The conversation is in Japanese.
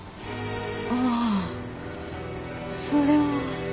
ああそれは。